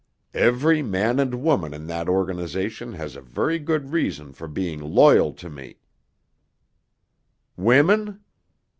Every man and woman in that organization has a very good reason for being loyal to me——" "Women?"